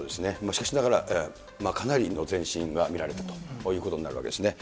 しかしながら、かなりの前進が見られたということになるわけですね。